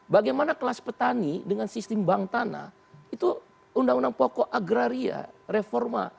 bagaimana kelas petani dengan sistem bank tanah itu undang undang pokok agraria reforma